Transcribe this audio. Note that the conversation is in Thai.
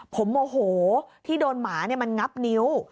ผมโมโหที่โดนหมามันงับนิ้ว